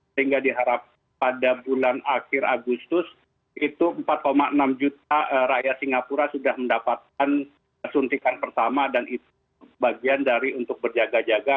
sehingga diharap pada bulan akhir agustus itu empat enam juta rakyat singapura sudah mendapatkan suntikan pertama dan itu bagian dari untuk berjaga jaga